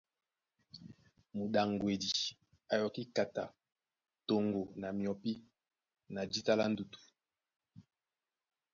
Mudaŋgwedi a yɔkí kata toŋgo na myɔpí na jíta lá ndutu.